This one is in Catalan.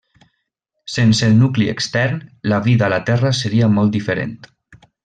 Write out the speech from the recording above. Sense el nucli extern, la vida a la Terra seria molt diferent.